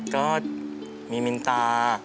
ก็มีมินตา